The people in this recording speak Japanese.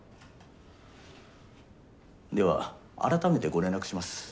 では改めてご連絡します。